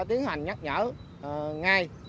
tiến hành nhắc nhở ngay